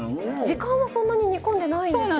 時間はそんなに煮込んでないんですよね。